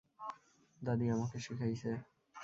দাদী আমাকে শিখাইছে।